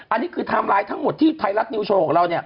อันนี้คือไทม์ไลน์ทั้งหมดที่ไทยรัฐนิวโชว์ของเราเนี่ย